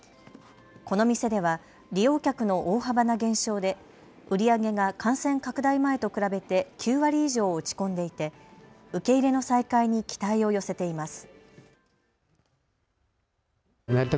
この店では利用客の大幅な減少で売り上げが感染拡大前と比べて９割以上落ち込んでいて受け入れの再開に期待を寄せています。